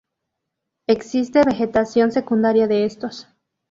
Existe vegetación secundaria de estos.